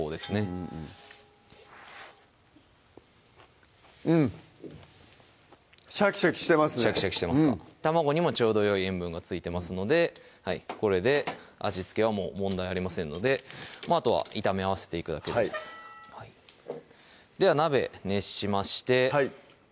うんうんうんうんシャキシャキしてますねシャキシャキしてますか卵にもちょうどよい塩分が付いてますのでこれで味付けはもう問題ありませんのであとは炒め合わせていくだけですはいでは鍋熱しましてはい